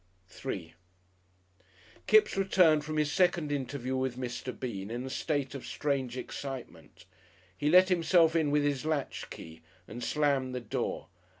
§3 Kipps returned from his second interview with Mr. Bean in a state of strange excitement. He let himself in with his latch key and slammed the door.